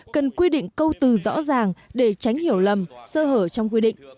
cần quy định câu từ rõ ràng để tránh hiểu lầm sơ hở trong quy định